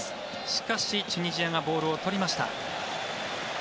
しかし、チュニジアがボールを取りました。